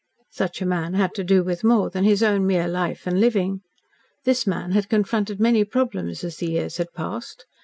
Such a man had to do with more than his own mere life and living. This man had confronted many problems as the years had passed.